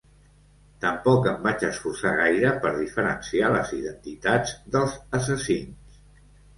Tampoc em vaig esforçar gaire per diferenciar les identitats dels assassins.